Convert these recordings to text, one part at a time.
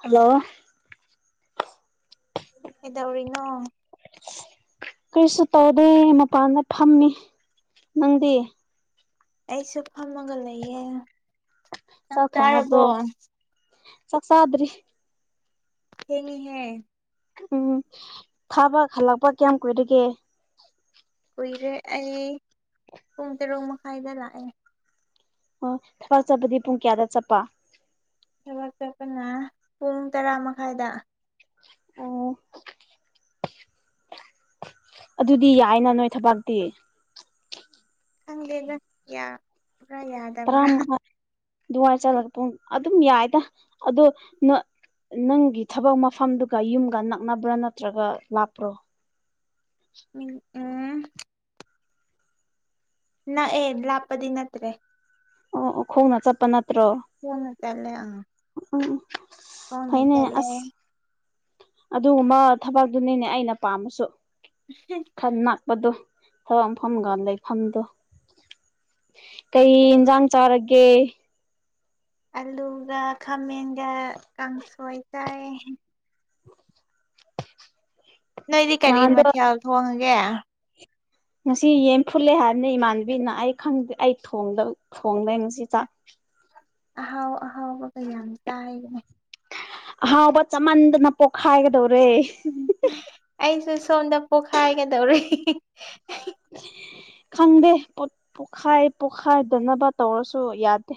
hello ꯀꯩꯗꯧꯔꯤꯅꯣ ꯀꯔꯤꯁꯨ ꯇꯧꯗꯦ ꯃꯄꯥꯟꯗ ꯐꯝꯃꯤ ꯅꯪꯗꯤ ꯑꯩꯁꯨ ꯐꯝꯃꯒ ꯂꯩꯌꯦ ꯆꯥꯛ ꯆꯥꯔꯕꯣ ꯆꯥꯛ ꯆꯗ꯭ꯔꯤ ꯍꯦꯡꯉꯍꯦ ꯎꯝ ꯊꯥꯕ ꯍꯜꯂꯛꯄ ꯀꯌꯥꯝ ꯀꯨꯏꯗꯒꯦ ꯀꯨꯏꯔꯦ ꯑꯩ ꯄꯨꯡ ꯇꯔꯨꯛ ꯃꯈꯥꯏꯗ ꯂꯥꯛꯑꯦ ꯑꯣ ꯊꯥ ꯆꯠꯄꯗꯤ ꯄꯨꯡ ꯀꯌꯥꯗ ꯆꯠꯄ ꯊꯕꯛ ꯆꯠꯄꯅ ꯄꯨꯡ ꯇꯔꯥ ꯃꯈꯥꯏꯗ ꯑꯣ ꯑꯗꯨꯗꯤ ꯌꯥꯏꯅ ꯅꯣꯏ ꯊꯕꯛꯇꯤ ꯈꯪꯗꯦꯗ ꯌꯥꯕ꯭ꯔꯥ ꯌꯥꯗꯕ꯭ꯔꯥ ꯑꯗꯨꯃꯥꯏꯅ ꯆꯠꯂꯒ ꯄ ꯑꯗꯨꯝ ꯌꯥꯏꯗ ꯑꯗꯣ ꯅꯪꯒꯤ ꯊꯕꯛ ꯃꯐꯝꯗꯨꯒ ꯌꯨꯝꯒ ꯅꯛꯅꯕ꯭ꯔꯥ ꯅꯠꯇ꯭ꯔꯒ ꯂꯥꯞꯄ꯭ꯔꯣ ꯎꯝ ꯎꯝ ꯅ ꯑꯦ ꯂꯥꯞꯄꯗꯤ ꯅꯠꯇ꯭ꯔꯦ ꯑꯣ ꯑꯣ ꯈꯣꯡꯅ ꯆꯠꯄꯅꯠꯇ ꯍꯅ ꯇꯂꯦꯉ ꯎꯝ ꯀꯅ ꯐꯩꯅꯦ ꯇꯂꯦ ꯑꯁ ꯑꯗꯨꯒꯨꯝꯕ ꯊꯕꯛꯇꯨꯅꯤꯅꯦ ꯑꯩꯅ ꯄꯥꯝꯃꯁꯨ ꯈꯟ ꯉꯥꯛꯄꯗꯣ ꯊꯋꯥꯛ ꯐꯐꯝꯒꯥꯟ ꯂꯩꯐꯝꯗ ꯀꯩ ꯏꯟꯖꯥꯝ ꯆꯔꯛꯒꯦ ꯑꯂꯨꯒ ꯈꯥꯃꯦꯟꯒ ꯀꯥꯡꯁꯣꯏ ꯆꯥꯏ ꯅꯣꯏꯗꯤ ꯀꯔꯤ ꯅꯍꯥꯟꯗꯣ ꯃꯊꯦꯜ ꯊꯣꯡꯉꯒꯦ ꯉꯁꯤ ꯌꯦꯟ ꯐꯨꯠꯂꯦ ꯍꯥꯏꯕꯅꯤ ꯏꯃꯥꯟꯅꯕꯤꯅ ꯑꯩ ꯈꯪꯗꯦ ꯑꯩ ꯊꯣꯡꯗꯩ ꯉꯁꯤ ꯆꯥꯛ ꯑꯍꯥꯎ ꯑꯍꯥꯎꯕ ꯀꯌꯥꯝ ꯆꯥꯏꯒꯅꯤ ꯑꯍꯥꯎꯕ ꯆꯃꯟꯗꯅ ꯄꯣꯛꯈꯥꯏꯒꯗ ꯑꯩꯁꯨ ꯁꯣꯝꯗ ꯄꯣꯛꯈꯥꯏꯒꯗꯧꯔꯦ ꯈꯪꯗꯦꯠ ꯄꯣꯈꯥꯏ ꯄꯣꯈꯥꯏꯗꯅꯕ ꯇꯧꯔꯁꯨ ꯌꯥꯗꯦ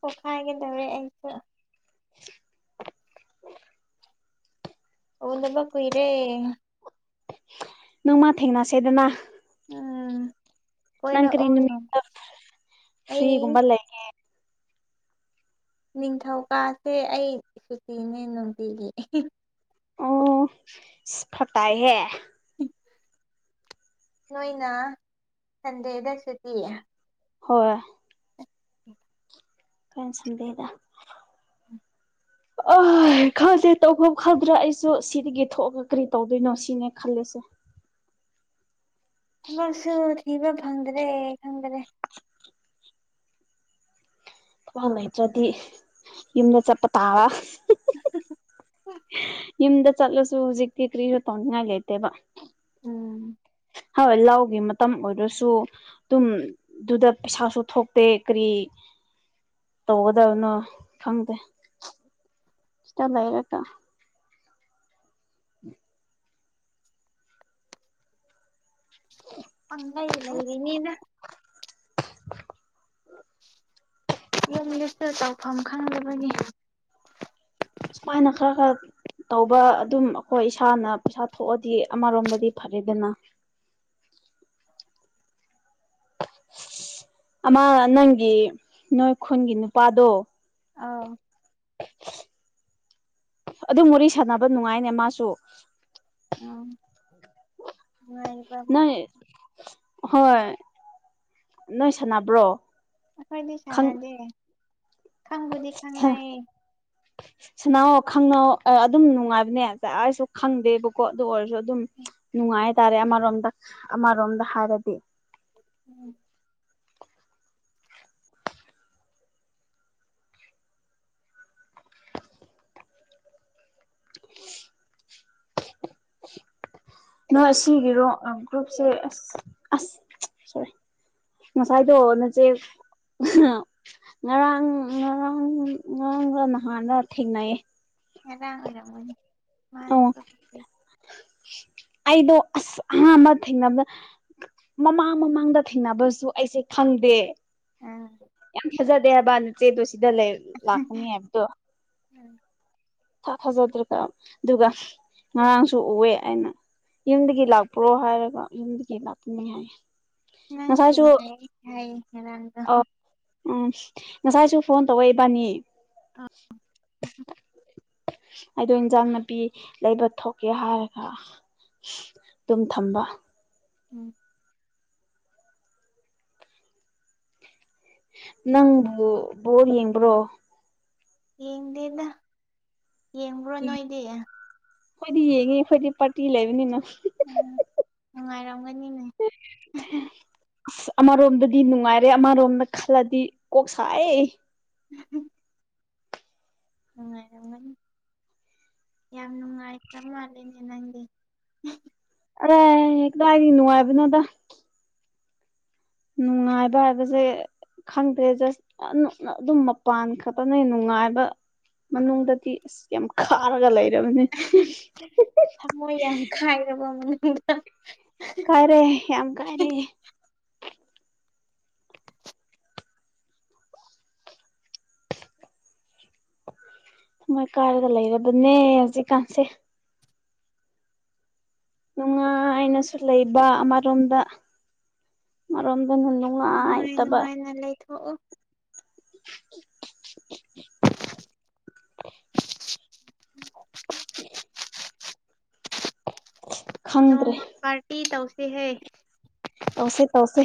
ꯄꯣꯛꯈꯥꯏꯒꯗꯧꯔꯦ ꯑꯩ [unintelligible] ꯑꯣꯗꯃ ꯀꯏꯔꯦ ꯅꯪ ꯃꯥ ꯊꯦꯡꯅꯁꯦꯗꯅ ꯎꯝ ꯅꯪ ꯀꯔꯤ ꯀꯣꯏꯔꯛꯑꯣ ꯅꯣꯡ ꯏ ꯑꯩ ꯁ꯭ꯔꯤꯒꯨꯝꯕꯜꯂ ꯅꯤꯡꯊꯧꯀꯥꯁꯦ ꯑꯩ ꯁꯨꯇꯤꯅꯦ ꯅꯨꯡꯇꯤꯒꯤ ꯐꯇꯥꯏꯍꯦ ꯅꯣꯏꯅ ꯁꯟꯗꯦꯗꯁꯨꯇꯤꯌꯦ ꯍꯣꯏ ꯀꯣꯏ ꯁꯗꯦꯗ ꯑ ꯈꯗꯦ ꯇꯧꯐ ꯈꯗ꯭ꯔꯥ ꯑꯩꯁꯨ ꯁꯤꯗꯒꯤ ꯊꯣꯛꯑꯒ ꯀꯔꯤ ꯇꯧꯗꯣꯏꯅꯣ ꯁꯤꯅꯦ ꯈꯜꯂꯁꯦ [unintelligible] ꯊꯕꯛꯁꯨ ꯊꯤꯕ ꯐꯪꯗ꯭ꯔꯦ ꯈꯪꯗ꯭ꯔꯦ ꯊꯥ ꯂꯩꯩꯇ꯭ꯔꯗꯤ ꯌꯨꯝꯗ ꯆꯠꯄ ꯇꯥꯕ [unintelligible] ꯌꯨꯝꯗ ꯆꯠꯂꯁꯨ ꯍꯧꯖꯤꯛꯇꯤ ꯀ꯭ꯔꯤꯁꯨ ꯇꯧꯅꯤꯡꯉꯥꯏ ꯂꯩꯇꯦꯕ ꯎꯝ ꯍꯣꯏ ꯂꯥꯎꯒꯤ ꯃꯇꯝ ꯑꯣꯏꯔꯁꯨ ꯑꯗꯨꯝ ꯑꯗꯨꯗ ꯄꯩꯁꯥꯁꯨ ꯊꯣꯛꯇꯦ ꯀꯔꯤ ꯇ ꯑꯣꯗꯅꯣ ꯐꯪꯗ ꯁꯤ ꯂꯩꯔꯀ ꯎꯝ ꯄꯪꯂꯩ ꯂꯩꯕꯅꯤꯗ ꯌꯨꯝ ꯂꯤꯇꯦꯜ ꯇꯧꯐꯝ ꯈꯪꯗꯕꯒꯤ ꯁꯃꯥꯏ ꯅꯈ ꯀ ꯇꯧꯕ ꯑꯗꯨꯝ ꯑꯩꯈꯣꯏ ꯏꯁꯥꯅ ꯄꯩꯁꯥ ꯊꯣꯛꯑꯗꯤ ꯑꯃꯔꯣꯝꯗꯗꯤ ꯐꯔꯦꯗꯅ ꯑꯃ ꯅꯪꯒꯤ ꯅꯣꯏ ꯈꯨꯟꯒꯤ ꯅꯨꯄꯥꯗꯣ ꯑꯥ [unintelligible] ꯑꯗꯨ ꯃꯔꯤ ꯁꯥꯟꯅꯕ ꯅꯨꯡꯉꯥꯏꯅꯦ ꯃꯥꯁꯨ ꯑꯥ ꯅꯣꯏ ꯍꯣꯏ ꯅꯣꯏ ꯁꯥꯟꯅꯕ꯭ꯔꯣ ꯈꯪ ꯑꯩꯈꯔꯗꯤꯁꯅꯗꯦ ꯈꯪꯕꯨꯨꯗꯤ ꯈꯪꯉꯏ ꯁꯅꯥꯣ ꯈꯪꯅ ꯑꯗꯨꯝ ꯅꯨꯡꯉꯥꯏꯕꯅꯦ ꯑꯩꯁꯨ ꯈꯪꯗꯦꯕꯀꯣ ꯑꯗꯨ ꯑꯣꯏꯔꯁꯨ ꯑꯗꯨꯝ ꯅꯨꯡꯉꯥꯏ ꯍꯥꯏꯇꯥꯔꯦ ꯑꯃꯔꯣꯝꯗ ꯑꯃꯔꯣꯝꯗ ꯍꯥꯏꯔꯗꯤ ꯎꯝ ꯀꯅꯥ ꯅꯣꯏ ꯀꯅꯥ ꯁꯤꯒꯤꯔꯣ ꯒ꯭ꯔꯨꯞꯁꯦ ꯑꯁ ꯑꯁ ꯁꯣꯔꯤ ꯉꯁꯥꯏꯗꯣ ꯅꯆꯦ ꯉꯔꯥꯡ ꯉꯔꯥꯡ ꯉꯔꯥꯡꯒ ꯅꯍꯥꯟꯒ ꯊꯦꯡꯅꯩ ꯑꯦꯔ ꯑꯣꯏꯔꯅꯤ ꯑꯣ ꯑꯩꯗꯣ ꯑꯁ ꯑꯍꯥꯥꯟꯕ ꯊꯦꯡꯅꯕꯗ ꯃꯃꯥꯡ ꯃꯃꯥꯡꯗ ꯊꯦꯡꯅꯕꯁꯨ ꯑꯩꯁꯦ ꯈꯪꯉ ꯗꯦ ꯑꯪ ꯌꯥꯝ ꯐꯖꯗꯦ ꯍꯥꯏꯕꯥ ꯅꯆꯦꯗꯣ ꯁꯤꯗ ꯂꯩ ꯂꯥꯛꯀꯅꯤ ꯍꯥꯏꯕꯗꯣ ꯏꯊꯥ ꯊꯥꯖꯗ꯭ꯔꯒ ꯑꯗꯨꯒ ꯉꯔꯥꯡꯁꯨ ꯎꯑꯦ ꯑꯩꯅ ꯌꯨꯝꯗꯒꯤ ꯂꯥꯛꯄ꯭ꯔꯣ ꯍꯥꯏꯔꯒ ꯌꯨꯝꯗꯒꯤ ꯂꯥꯛꯄꯅꯤ ꯍꯥꯏ ꯅꯪ ꯉꯁꯥꯏꯁꯨ ꯊꯦꯡ ꯌꯥꯔꯗ ꯑ ꯎꯝ ꯉꯁꯥꯏꯁꯨ ꯐꯣꯟ ꯇꯧꯔꯛꯏꯕꯥꯅꯤ ꯑꯩꯗꯣ ꯏꯟꯁꯥꯡ ꯅꯥꯄꯤ ꯂꯩꯕ ꯊꯣꯛꯀꯦ ꯍꯥꯏꯔꯒ ꯑꯗꯨꯝ ꯊꯝꯕ ꯎꯝ ꯅꯪꯕꯨ ꯕꯣꯔ ꯌꯦꯡꯕ꯭ꯔꯣ ꯌꯦꯡꯗꯦꯗ ꯌꯦꯡꯕ꯭ꯔꯣ ꯅꯣꯏꯗꯤ ꯑꯦ ꯑꯩꯈꯣꯏꯗꯤ ꯌꯦꯡꯉꯤ ꯑꯩꯈꯣꯏꯗꯤ ꯄꯥꯔꯇꯤ ꯂꯩꯕꯅꯤꯅ ꯎꯝ ꯅꯨꯡꯉꯥꯏꯔꯝꯒꯅꯤꯅꯦ ꯑꯁ ꯑꯃꯔꯣꯝꯗꯗꯤ ꯅꯨꯡꯉꯥꯏꯔꯦ ꯑꯃꯔꯣꯝꯗ ꯈꯜꯂꯗꯤ ꯀꯣꯛ ꯁꯥꯏ ꯎ ꯎꯝꯥꯏꯅꯤ ꯌꯥꯝ ꯅꯨꯡꯉꯥꯏꯈ꯭ꯔ ꯃꯥꯜꯂꯦꯅꯦ ꯅꯪꯗꯤ ꯑꯦꯗꯥ ꯍꯥꯏꯗꯤ ꯅꯨꯡꯉꯥꯏꯕꯅꯣꯗ ꯅꯨꯡꯉꯥꯏꯕ ꯍꯥꯏꯕꯁꯦ ꯈꯪꯗꯦ ꯖꯁ ꯑꯗꯨꯝ ꯃꯄꯥꯟ ꯈꯛꯇꯅ ꯅꯨꯡꯉꯥꯏꯕ ꯃꯅꯨꯡꯗꯗꯤ ꯑꯁ ꯌꯥꯝ ꯈꯥꯔꯒ ꯂꯩꯔꯦ ꯀꯅꯦ ꯊꯃꯣꯏ ꯌꯥꯝ ꯀꯥꯏꯔꯕ [unintelligible] ꯀꯥꯏꯔꯦ ꯌꯥꯝ ꯀꯥꯏꯔꯦ [unintelligible] ꯃꯣꯏ ꯀꯥꯏꯔꯒ ꯂꯩꯔꯕꯅꯦ ꯍꯧꯖꯤꯛꯀꯥꯟꯁꯦ ꯅꯨꯡꯉꯥꯏꯅꯁꯨ ꯂꯩꯕ ꯑꯃꯔꯣꯝꯗꯣꯝ ꯑꯗꯨꯅ ꯅꯨꯡꯉꯥꯏꯇꯕ ꯊꯣꯛꯎ [unintelligible] ꯈꯪꯗ꯭ꯔꯦ ꯅꯣꯡꯃ ꯄꯥꯔꯇꯤ ꯇꯧꯁꯤꯦ ꯍꯦ ꯇꯧꯁꯦ ꯇꯧꯁꯦ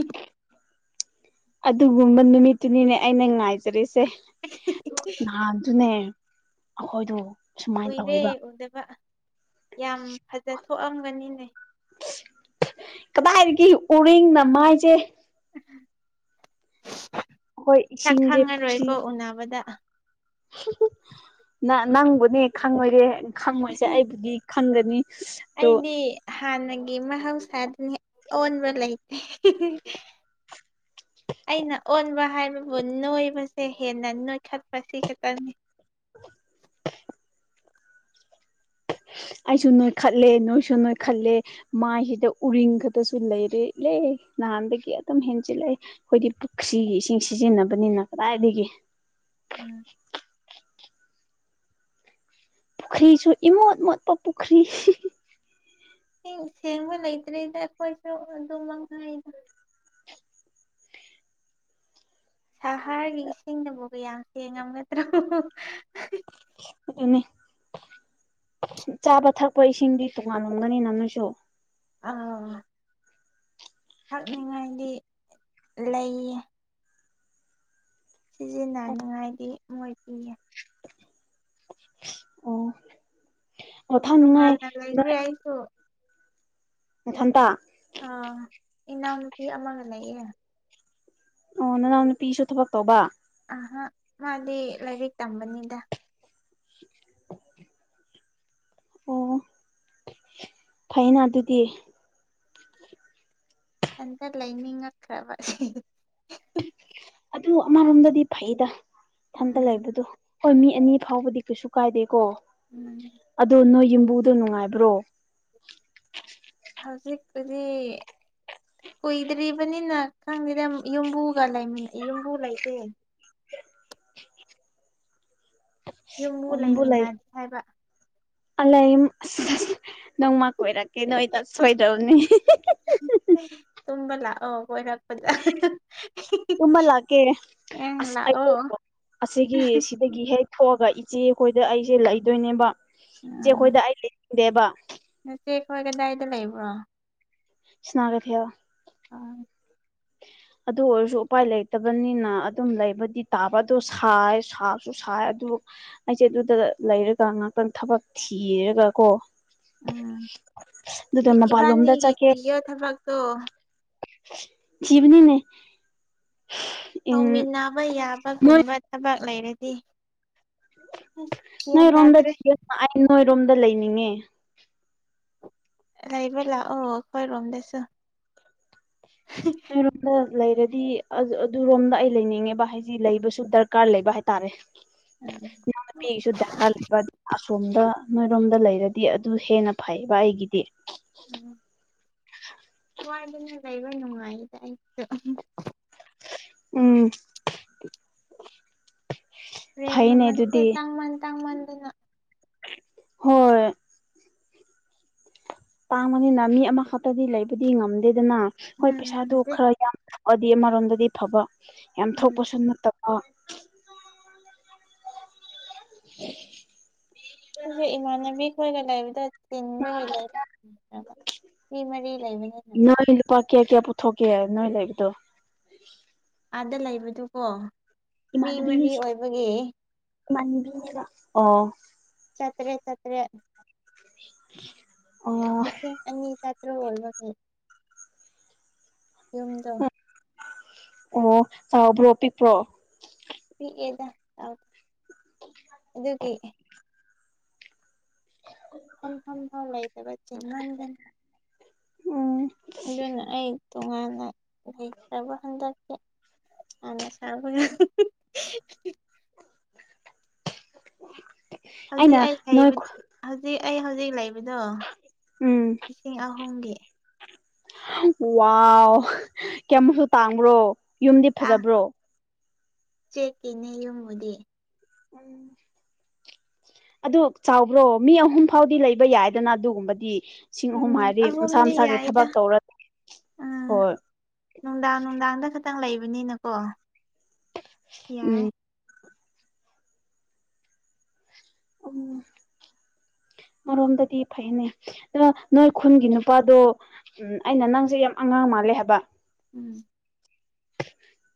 [unintelligible] ꯑꯗꯨꯒꯨꯝꯕ ꯅꯨꯃꯤꯠꯇꯨꯅꯤꯅꯦ ꯑꯩꯅ ꯉꯥꯏꯖꯔꯤꯁꯦ ꯦ ꯅꯍꯥꯟꯗꯨꯅꯦ ꯑꯩꯈꯣꯏꯗ ꯎꯏꯔꯦ ꯎꯗꯕ ꯌꯥꯝ ꯐꯖ ꯊꯣꯛꯑꯝꯒꯅꯤꯅꯦ ꯀꯗꯥꯏꯗꯒꯤ ꯎꯔꯤꯦꯡꯅ ꯃꯥꯏꯁꯦ ꯑꯩꯈꯣꯏ ꯁꯛ ꯏꯁꯤꯡꯁꯦ ꯄꯨꯈ꯭ꯔꯤ ꯈꯪꯉꯔꯣꯏꯀꯣ ꯎꯅꯕꯗ ꯅꯪꯕꯨꯅꯦ ꯈꯪꯉꯣꯏꯔꯦ ꯈꯪꯉꯣꯏꯁꯦ ꯑꯩꯕꯨꯗꯤ ꯈꯪꯒꯅꯤ ꯑꯗꯣ ꯑꯩꯗꯤ ꯍꯥꯟ ꯃ ꯍꯥꯎꯁꯗꯅꯤ ꯑꯣꯟꯕ ꯂꯩꯥꯏꯇ ꯑꯩꯅ ꯑꯣꯟꯕ ꯍꯥꯏꯕꯕꯨ ꯅꯣꯏꯕꯁꯦ ꯍꯦꯟꯅ ꯁꯠ ꯄꯥꯏꯁꯤ ꯍꯦ ꯇꯔꯅꯤ [unintelligible] ꯑꯩꯁꯨ ꯅꯣꯏ ꯈꯜꯂꯦ ꯅꯣꯏꯁꯨ ꯅꯣꯏ ꯈꯜꯂꯦ ꯃꯥꯏꯁꯤꯗ ꯎꯔꯤꯡ ꯈꯛꯇꯁꯨ ꯂꯩꯔꯦ ꯏꯂꯦ ꯅꯍꯥꯟꯗꯒꯤ ꯑꯗꯨꯝ ꯍꯦꯟ ꯆꯤꯜꯂꯛꯏ ꯑꯩꯈꯣꯏꯗꯤ ꯄꯨꯈ꯭ꯔꯤꯒꯤ ꯏꯁꯤꯡ ꯁꯤꯖꯤꯟꯅꯕꯅꯤꯅ ꯀꯗꯥꯏꯗꯒꯤ ꯎꯝ ꯄꯨꯈ꯭ꯔꯤꯁꯨ ꯏꯃꯣꯠ ꯃꯣꯠꯄ ꯄꯨꯈꯔꯤ ꯁꯦꯡꯕ ꯂꯩꯇ꯭ꯔꯤꯗ ꯑꯩꯈꯣꯏꯁꯨ ꯑꯗꯨꯃꯛ ꯁꯍꯔꯒꯤ ꯏꯁꯤꯡꯗꯕꯨ ꯀꯌꯥꯝ ꯊꯦꯡꯉꯝꯒꯗ꯭ꯔꯣ ꯑꯗꯨꯅꯤ ꯆꯥꯕ ꯊꯛꯄ ꯏꯁꯤꯡꯗꯤ ꯇꯣꯉꯥꯟꯂꯝꯒꯅꯤ ꯅꯪꯅꯁꯨ ꯑ ꯊꯛꯅꯤꯉꯥꯏꯗꯤ ꯂꯩꯌꯦ ꯁꯤꯖꯤꯟꯅꯅꯤꯉꯥꯏꯗꯤ ꯃꯣꯏ ꯄꯤꯌꯦ ꯑꯣ ꯑꯣ ꯊꯛꯅꯤꯡꯉꯥꯏ ꯇꯃꯅ ꯂꯥꯏꯈ꯭ꯔ ꯌꯥꯏꯀꯣ ꯊꯟꯇ ꯑꯥ ꯏꯅꯥꯎꯨꯄꯤ ꯑꯃꯒ ꯂꯩꯌꯦꯦ ꯑꯣ ꯅꯅꯥꯎ ꯅꯨꯄꯤꯁꯨ ꯊꯕꯛ ꯇꯧꯕ ꯑ ꯃꯥꯗꯤ ꯂꯥꯏꯔꯤꯛ ꯇꯝꯕꯅꯤꯗ ꯑꯣ ꯐꯥꯏꯅ ꯑꯗꯨꯨꯗꯤ ꯏꯊꯟꯇ ꯂꯩꯅꯤꯡꯉꯛꯈ꯭ꯔꯕ ꯑꯗꯨ ꯑꯃꯔꯣꯝꯗꯗꯤ ꯐꯩꯗ ꯊꯟꯗ ꯎꯝ ꯂꯩꯕꯗꯣ ꯍꯣꯏ ꯃꯤ ꯑꯅꯤ ꯐꯥꯎꯕꯗꯤ ꯀꯩꯁꯨ ꯀꯥꯏꯗꯦꯀꯣ ꯎꯝ ꯑꯗꯣ ꯅꯣꯏ ꯌ ꯗ ꯅꯨꯡꯉꯥꯏꯕ꯭ꯔꯣ ꯍꯧꯖꯤꯛꯄꯨꯗꯤ ꯀꯨꯏꯗ꯭ꯔꯤꯕꯅꯤꯅ ꯈꯪꯗꯦꯗ ꯌꯨꯝꯕꯨꯒ ꯂꯩ ꯌꯨꯝꯕꯨ ꯂꯩꯇꯦ ꯌꯨꯝꯕꯨ ꯂꯩꯃꯤꯟꯅꯗꯦ ꯍꯥꯏꯕ ꯑꯂꯥꯏ ꯅꯣꯡꯃ ꯀꯣꯏꯔꯛꯀꯦ ꯅꯣꯏꯗ ꯁꯣꯏꯗꯧꯅꯦ ꯇꯨꯝꯕ ꯂꯥꯛꯑꯣ ꯀꯣꯏꯔꯛꯄꯗ ꯇꯨꯝꯍ ꯂꯥꯛꯀꯦ ꯑꯪ ꯑꯁ ꯂꯥꯛꯑꯣ ꯑꯁꯤꯒꯤ ꯁꯤꯗꯒꯤ ꯍꯦꯛ ꯊꯣꯛꯑꯒ ꯏꯆꯦꯈꯣꯏꯗ ꯑꯩꯁꯦ ꯂꯩꯗꯣꯏꯅꯦꯕ ꯏꯆꯦꯈꯣꯏꯗ ꯎꯝ ꯑꯩ ꯂꯩꯅꯤꯡꯗꯦꯕ ꯍꯣꯏ ꯀꯗꯥꯏꯗ ꯂꯩꯕ꯭ꯔꯣ ꯁꯅꯥꯒ ꯊꯌꯥ ꯑꯥ ꯎ ꯑꯗꯨ ꯑꯣꯏꯔꯁꯨ ꯎꯄꯥꯏ ꯂꯩꯇꯕꯅꯤꯅ ꯑꯗꯨꯝ ꯂꯩꯕꯗꯤ ꯇꯥꯕꯗꯣ ꯁꯥꯏ ꯁꯥꯁꯨ ꯁꯥꯏ ꯑꯗꯨ ꯑꯩꯁꯦ ꯑꯗꯨꯗ ꯂꯩꯔꯒ ꯉꯥꯛꯇꯪ ꯊꯕꯛ ꯊꯤꯔꯒ ꯀꯣ ꯎꯝ ꯑꯗꯨꯗ ꯃꯄꯥꯟꯂꯣꯝꯗ ꯏꯕꯥꯅꯤꯒꯤ ꯊꯤꯒꯣ ꯊꯕꯛꯇꯣ ꯖꯤꯕꯅꯤꯅꯦ ꯇꯧꯃꯤꯟꯅꯕ ꯅꯣꯏ ꯌꯥꯕꯒꯨꯝꯕ ꯊꯕꯛ ꯂꯩꯔꯗꯤ ꯑꯁ ꯒ꯭ꯌꯥꯟ ꯅꯣꯏꯔꯣꯝꯗ ꯇꯥꯗ꯭ꯔꯦ ꯑꯩ ꯅꯣꯏꯔꯣꯝꯗ ꯂꯩꯅꯤꯡꯉꯦ ꯂꯩꯥꯛꯕ ꯂꯥꯛ ꯑꯣ ꯈꯣꯏ ꯔꯣꯝꯗꯁꯨ ꯑꯩꯔꯣꯝꯗ ꯂꯩꯔꯗꯤ ꯑꯗꯨꯔꯣꯝꯗ ꯑꯩ ꯂꯩꯅꯤꯡꯉꯦꯕ ꯍꯥꯏꯗꯤ ꯂꯩꯕꯁꯨ ꯗꯔꯀꯥꯔ ꯂꯩꯕ ꯍꯥꯏꯇꯥꯔꯦ ꯎꯝ ꯌꯥ ꯄꯤꯁꯨꯥ ꯂꯩꯕ ꯁꯣꯝꯗ ꯅꯣꯏꯔꯣꯝꯗ ꯂꯩꯔꯗꯤ ꯑꯗꯨ ꯍꯦꯟꯅ ꯐꯩꯕ ꯑꯩꯒꯤꯗꯤ ꯎꯝ ꯋꯥꯗꯅ ꯂꯩꯕ ꯅꯨꯡꯉꯥꯏꯗ ꯑꯩꯁꯨ ꯎꯝ ꯇ꯭ꯔꯦꯟ ꯐꯩꯅꯦ ꯃꯃꯜꯁꯦ ꯑꯗꯨꯗꯤ ꯇꯥꯡꯃꯟ ꯇꯥꯡꯃꯟꯗꯅ ꯍꯣꯏ ꯇꯥꯡꯕꯅꯤꯅ ꯃꯤ ꯑꯃꯈꯛꯇꯗꯤ ꯂꯩꯕꯗꯤ ꯉꯝꯗꯦꯗꯅ ꯎꯝ ꯍꯣꯏ ꯄꯩꯁꯥꯗꯨ ꯉꯝꯗꯦ ꯈꯔ ꯌꯥꯝ ꯑ ꯑꯃꯔꯣꯝꯗꯗꯤ ꯐꯕ ꯌꯥꯝ ꯎꯝ ꯊꯣꯛꯄꯁꯨ ꯅꯠꯇꯕ [inaudible] ꯑꯩꯁꯦ ꯏꯃꯥꯟꯅꯕꯤ ꯈꯣꯏꯒ ꯂꯩꯕꯗ ꯆꯤꯟꯕꯒꯤ ꯂꯩꯕ ꯉꯝꯗ꯭ꯔꯕ ꯃꯤ ꯃꯔꯤ ꯂꯩꯕꯅꯤꯅ ꯅꯣꯏ ꯀ ꯀꯌꯥ ꯀꯌꯥ ꯄꯨꯊꯣ ꯀꯦ ꯅ ꯂꯩꯗꯣ ꯑꯥꯗ ꯂꯩꯕꯗꯨꯀꯣ ꯃꯤ ꯃꯔꯤ ꯏꯃꯥꯟꯅꯁꯤ ꯑꯣꯏꯕꯒꯤ ꯏꯃꯥꯟꯅꯕꯤꯅꯦꯕ ꯑꯣ ꯭ꯔ ꯑꯣ ꯆ꯭ꯔꯦ ꯑꯅꯤ ꯆ ꯈꯔꯜꯕꯅꯤ ꯌꯨꯝꯗꯣ ꯑꯣ ꯆꯥꯎꯍꯕ꯭ꯔꯣ ꯄꯤꯛꯄ꯭ꯔꯣ ꯄꯤꯑꯦꯗꯥꯎꯗ ꯑꯗꯨ ꯀꯑꯦ ꯐꯝ ꯐꯝꯐꯝ ꯂꯩꯇꯕ ꯆꯤꯟꯃꯟꯗꯅꯤ ꯎꯝ ꯑꯗꯨꯅ ꯑꯩ ꯇꯣꯉꯥꯟꯅ ꯂꯩꯈ꯭ꯔꯕ ꯍꯟꯗꯛꯀꯦ ꯑꯗ ꯁꯔꯄ [inaudible] ꯍꯧꯖꯤꯛ ꯑꯩꯅ ꯑꯩ ꯅꯣꯏ ꯍꯥꯏꯕ ꯍꯧꯖꯤꯛ ꯑꯩ ꯍꯧꯖꯤꯛ ꯂꯩꯕꯗꯣ ꯂꯤꯁꯤꯡ ꯑꯍꯨꯝꯒꯤ ꯋꯥ ꯀꯌꯥꯃꯨꯛꯁꯨ ꯇꯥꯡꯕ꯭ꯔꯣ ꯌꯨꯝꯗꯤ ꯐꯖꯕ꯭ꯔꯣ ꯆꯦꯛ ꯀꯅꯦ ꯌꯨ ꯃꯗꯦ ꯎꯝ ꯑꯗꯨ ꯆꯥꯎꯕ꯭ꯔꯣ ꯃꯤ ꯑꯍꯨꯝ ꯐꯥꯎꯗꯤ ꯂꯩꯕ ꯌꯥꯏꯗꯅ ꯑꯗꯨꯒꯨꯝꯕꯗꯤ ꯁꯤꯡ ꯑꯍꯨꯝ ꯎꯝ ꯍꯥꯏꯗꯤ ꯃꯁꯥ ꯑꯍꯨꯝꯗꯤ ꯃꯁꯥꯒꯤ ꯌꯥꯏꯗ ꯊꯕꯛ ꯇꯧꯔ ꯎꯝ ꯍꯣꯏ ꯂꯅꯨꯡꯗꯥ ꯂꯅꯨꯡꯗꯥ ꯑꯗ ꯈꯤꯇꯪ ꯂꯩꯕꯅꯤꯅꯀꯣ ꯌꯥꯏ ꯎꯝ ꯑꯣ ꯃꯔꯣꯝꯗꯗꯤ ꯐꯩꯅꯦ ꯑ ꯅꯣꯏ ꯈꯨꯟꯒꯤ ꯅꯨꯄꯥꯗꯣ ꯎ ꯑꯩꯅ ꯅꯪꯁꯦ ꯌꯥꯝ ꯑꯉꯥꯡ ꯃꯥ ꯀꯔꯤ ꯍꯥꯏꯕ ꯎꯝ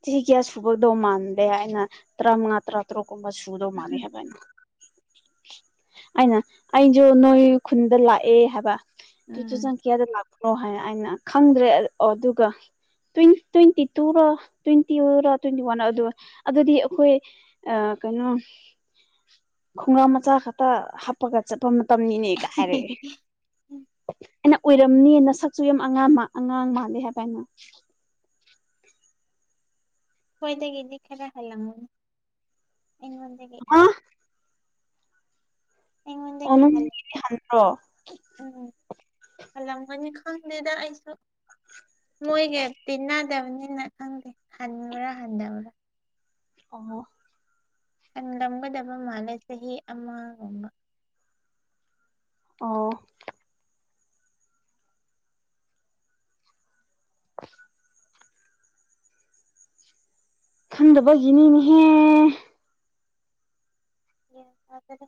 ꯊ ꯀꯦ ꯁꯕꯗꯣ ꯃꯥꯟꯗꯦꯅ ꯇꯔꯥ ꯃꯉꯥ ꯇꯔꯥ ꯇꯔꯨꯛ ꯀꯨꯝ ꯁꯨꯗꯣ ꯃꯅꯦ ꯍꯥꯏꯕꯅ ꯑꯩꯅ ꯑꯩꯁꯨ ꯅꯣꯏ ꯈꯨꯟꯗ ꯂꯥꯛꯑꯦ ꯍꯥꯏꯕ ꯇꯁ ꯎꯝ ꯀꯌꯥꯗ ꯂ ꯑꯣ ꯍꯥꯏ ꯑꯅ ꯈꯪꯗ꯭ꯔꯦ ꯑꯣ ꯑꯗꯨꯒ ꯇ꯭ꯋꯦꯟꯇꯤ ꯇꯨꯔ ꯇ꯭ꯋꯦꯟꯇꯤ ꯑꯣꯏꯔ ꯇ꯭ꯋꯦꯟꯇꯤ ꯋꯥꯟ ꯑꯗꯨꯒ ꯑꯗꯨꯗꯤ ꯑꯩꯈꯣꯏ ꯀꯩꯅꯣ ꯈꯣꯡꯒꯥ꯭ꯔꯝ ꯃꯆꯥ ꯈꯛꯇ ꯍꯥꯞꯄꯒ ꯆꯠꯄ ꯃꯇꯝ ꯇꯝꯅꯤꯅꯦ ꯀ ꯍꯥꯏꯔꯛꯑꯦ ꯑꯩꯅ ꯑꯣꯏꯔꯝꯅꯤꯅ ꯁꯛꯁꯨ ꯌꯥꯝ ꯑꯉꯥꯡ ꯑꯉꯥꯡ ꯃꯥꯜꯂꯦ ꯍꯥꯏꯕ ꯍꯥꯏꯅ ꯍꯣꯏꯗꯒꯤꯗꯤ ꯈꯔ ꯍꯜꯂꯝꯃꯨꯅꯦ ꯑꯩꯉꯣꯟꯗꯒꯤ ꯑ ꯑ ꯑꯩꯉꯣꯟꯗꯒꯤ ꯍꯜ ꯍꯇ꯭ꯔ ꯑꯃꯅꯤ ꯈꯪ ꯗꯦꯗ ꯑꯩꯁꯨ ꯃꯣꯏꯒ ꯇꯤꯟꯅꯗꯕꯅꯤꯅ ꯈꯪꯗꯦ ꯍꯟꯕ꯭ꯔꯥ ꯍꯟꯊꯕ꯭ꯔꯥ ꯑꯣ ꯈꯟꯂꯝꯒꯗꯕ ꯃꯥꯜꯂꯦ ꯆꯍꯤ ꯑꯃꯒꯨꯝꯕ ꯑꯣ [inaudible] ꯈꯟꯗꯕꯒꯤꯅꯤꯅꯦꯍꯦ ꯌꯥ ꯐꯗ